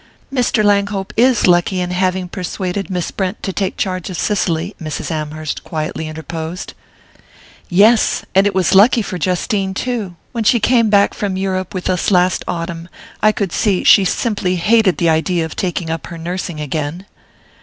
"Mr. Langhope is lucky in having persuaded Miss Brent to take charge of Cicely," Mrs. Amherst quietly interposed. "Yes and it was so lucky for Justine too! When she came back from Europe with us last autumn, I could see she simply hated the idea of taking up her nursing again."